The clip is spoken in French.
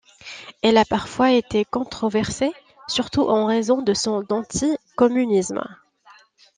Elle a parfois été controversée, surtout en raison de son anticommunisme.